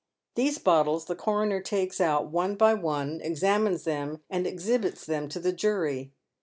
These bottles the coroner takes out one by one, exammes them, and exhibits them to the jury.